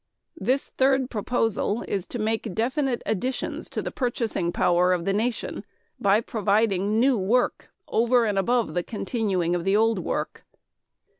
This third proposal is to make definite additions to the purchasing power of the nation by providing new work over and above the continuing of the old work.